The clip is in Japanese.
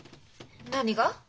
何が？